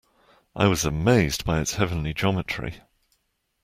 I was amazed by its heavenly geometry.